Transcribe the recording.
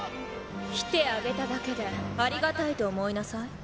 来てあげただけでありがたいと思いなさい。